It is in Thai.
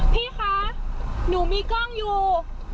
พี่คะหนูมีกล้องอยู่